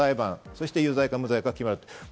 そして有罪か無罪か決まる。